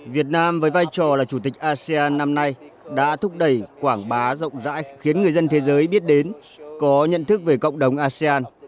việt nam với vai trò là chủ tịch asean năm nay đã thúc đẩy quảng bá rộng rãi khiến người dân thế giới biết đến có nhận thức về cộng đồng asean